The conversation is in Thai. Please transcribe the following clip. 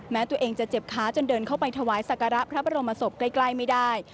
แม้ตัวเองจะเจ็บค้าจนเดินเข้าไปถวายสักการะพระบรมศพใกล้ไม่ได้